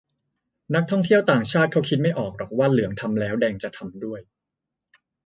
นักท่องเที่ยวต่างชาติเค้าคิดไม่ออกหรอกว่าเหลืองทำแล้วแดงจะทำด้วย